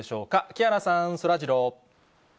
木原さん、そらジロー。